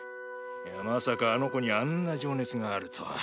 まさかあの子にあんな情熱があるとは。